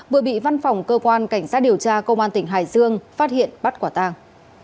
vừa bị văn phòng cơ quan cảnh sát điều tra công an tỉnh hải dương phát hiện bắt quả tàng